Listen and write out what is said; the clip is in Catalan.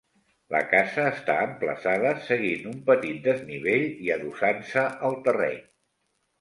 La casa està emplaçada seguint un petit desnivell i adossant-se al terreny.